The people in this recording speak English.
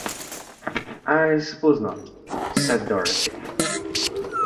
"I suppose not," said Dorothy.